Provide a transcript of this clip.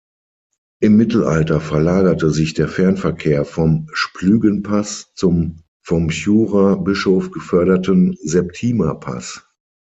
Im Mittelalter verlagerte sich der Fernverkehr vom Splügenpass zum vom Churer Bischof geförderten Septimerpass.